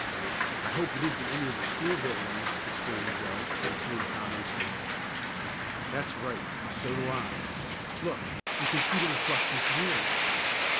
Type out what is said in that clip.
"I hope it isn't any of the school buildings!" exclaimed Joe as he and Tom raced along. "That's right. So do I. Look, you can see the reflection from here."